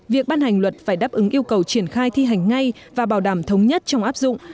việc ban hành luật phải đáp ứng yêu cầu triển khai thi hành ngay và bảo đảm thống nhất trong áp dụng